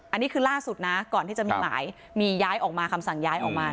อันนี้คือล่าสุดนะก่อนที่จะมีหมายมีย้ายออกมาคำสั่งย้ายออกมา